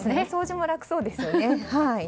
掃除も楽そうですよね。